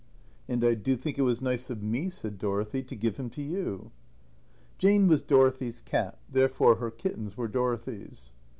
"And I do think it was nice of me," said Dorothy, "to give him to you." Jane was Dorothy's cat; therefore her kittens were Dorothy's.